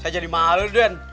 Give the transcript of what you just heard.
saya jadi mahal deh den